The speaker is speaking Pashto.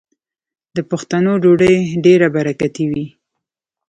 د پښتنو ډوډۍ ډیره برکتي وي.